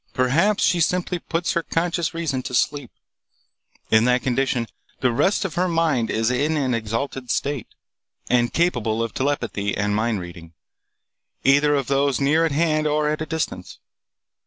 Perhaps she simply puts her conscious reason to sleep. In that condition the rest of her mind is in an exalted state, and capable of telepathy and mind reading, either of those near at hand or at a distance.